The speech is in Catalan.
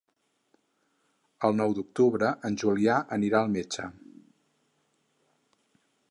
El nou d'octubre en Julià anirà al metge.